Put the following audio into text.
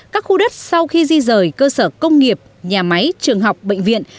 các khu đất sau khi di rời cơ sở công nghiệp nhà máy trường học bệnh viện